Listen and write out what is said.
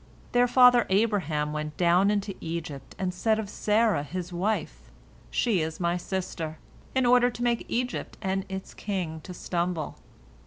Their father Abraham went down into Egypt, and said of Sarah his wife, She is my sister, in order to make Egypt and its king to stumble.